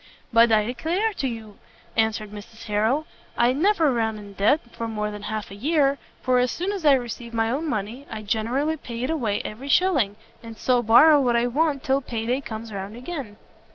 "But I declare to you," answered Mrs Harrel, "I never run in debt for more than half a year, for as soon as I receive my own money, I generally pay it away every shilling: and so borrow what I want till pay day comes round again."